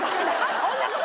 そんなこと！